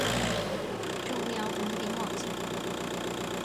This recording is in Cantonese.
仲有五點黃色